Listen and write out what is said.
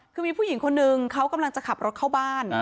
คือมีผู้หญิงคนนึงเขากำลังจะขับรถเข้าบ้าน